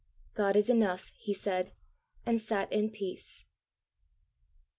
"God is enough," he said, and sat in peace.